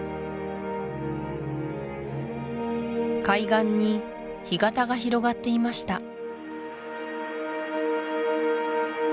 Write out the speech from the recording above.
海岸に干潟が広がっていました